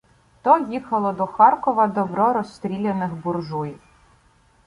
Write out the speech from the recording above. То їхало до Харкова добро розстріляних "буржуїв".